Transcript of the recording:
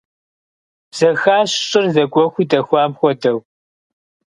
Бзэхащ, щӀыр зэгуэхуу дэхуам хуэдэу.